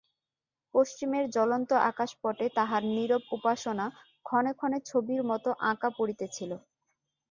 পশ্চিমের জ্বলন্ত আকাশপটে তাহার নীরব উপাসনা ক্ষণে ক্ষণে ছবির মতো আঁকা পড়িতেছিল।